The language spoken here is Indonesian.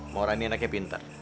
maura ini anaknya pintar